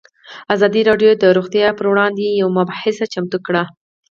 ازادي راډیو د روغتیا پر وړاندې یوه مباحثه چمتو کړې.